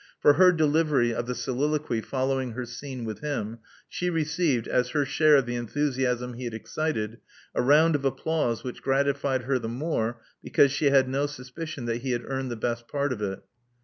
For her delivery of the soliloquy following her scene with him, she received, as her share of the enthusiasm he had excited, a round of applause which gratified her the more because she had no suspicion that he had earned the best part of it.